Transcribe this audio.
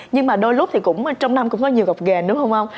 nhưng mà đôi lúc thì cũng trong năm cũng có nhiều gọc ghền đúng không ông